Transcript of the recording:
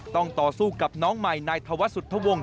ต้องต่อสู้กับน้องใหม่นายธวัศสุธวงศ์